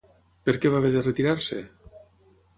Per què va haver de retirar-se?